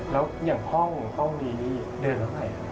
แล้วอย่างห้องนี้เดือนละไหน